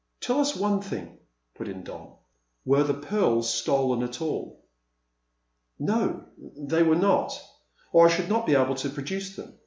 "Tell us one thing," put in Don; "were the pearls stolen at all?" "No, they were not, or I should not be able to produce them.